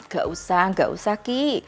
gak usah nggak usah ki